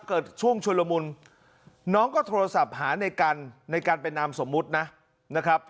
เกิดช่วงชุลมุลน้องก็โทรศัพท์หาในการไปนำสมมุตินะ